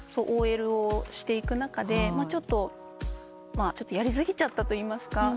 ＯＬをしていく中でちょっとやり過ぎちゃったといいますか。